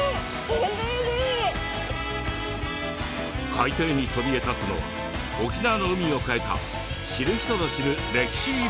海底にそびえ立つのは沖縄の海を変えた知る人ぞ知る歴史遺産。